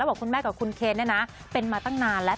แล้วกับคุณแม่กับคุณเคนนะเป็นมาตั้งนานแล้ว